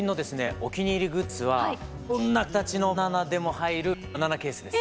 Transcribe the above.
お気に入りグッズはどんな形のバナナでも入るバナナケースです。